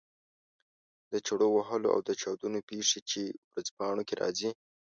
د چړو وهلو او چاودنو پېښې چې ورځپاڼو کې راځي.